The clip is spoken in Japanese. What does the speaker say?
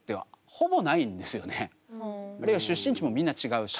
あるいは出身地もみんな違うし。